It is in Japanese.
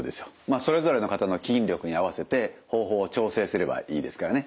それぞれの方の筋力に合わせて方法を調整すればいいですからね。